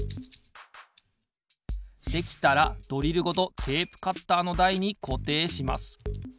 できたらドリルごとテープカッターのだいにこていします。